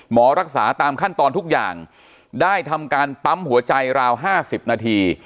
หมอรักษาตามขั้นตอนทุกอย่างได้ทำการปั๊มหัวใจราว๕๐นาที